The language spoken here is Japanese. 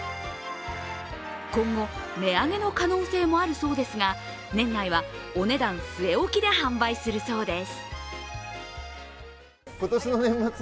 今後、値上げの可能性もあるそうですが、年内はお値段据え置きで販売するそうです。